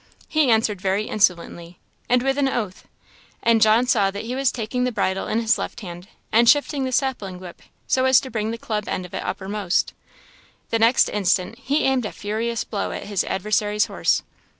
He answered very insolently, and with an oath; and John saw that he was taking the bridle in his left hand and shifting his sapling whip so as to bring the club end of it uppermost. The next instant he aimed a furious blow at his adversary's horse.